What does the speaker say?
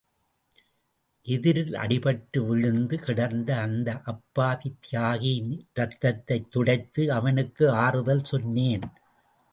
எதிரில் அடிபட்டு விழுந்து கிடந்த அந்த அப்பாவி தியாகியின் இரத்தத்தைத் துடைத்து அவனுக்கு ஆறுதல் சொன்னேன்.